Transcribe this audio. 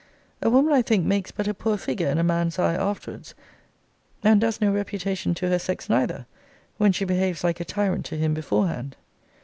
A woman I think makes but a poor figure in a man's eye afterwards, and does no reputation to her sex neither, when she behaves like a tyrant to him beforehand.